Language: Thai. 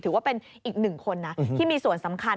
ถือว่าเป็นอีกหนึ่งคนนะที่มีส่วนสำคัญ